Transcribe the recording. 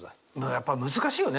やっぱ難しいよね。